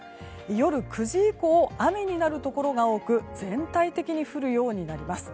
夜９時以降雨になるところが多く全体的に降るようになります。